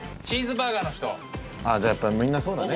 塙：じゃあ、やっぱりみんな、そうだね。